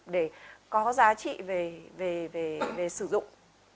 để có giá trị về sử dụng